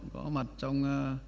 có mặt trong